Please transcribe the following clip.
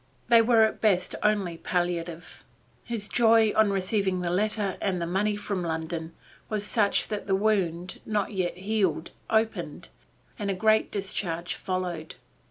They were at best only palliative. His joy on receiving the letter and money from London was such that the wound, not yet healed, opened, and a great discharge followed.